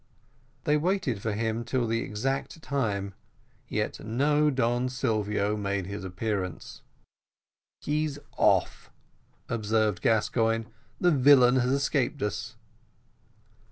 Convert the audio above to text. They waited for him till the exact time, yet no Don Silvio made his appearance. "He's off," observed Gascoigne; "the villain has escaped us."